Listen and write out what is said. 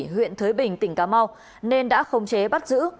huyện thới bình tỉnh cà mau nên đã không chế bắt giữ